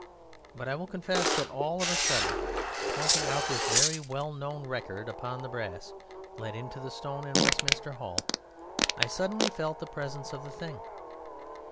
But I will confess that all of a sudden, pointing out this very well known record upon the brass let into the stone in Westminster Hall, I suddenly felt the presence of the thing.